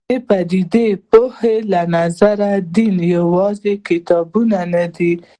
د پدیده پوهنې له نظره دین یوازې کتابونه نه دي.